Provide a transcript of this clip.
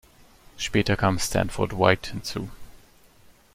Später kam Stanford White hinzu.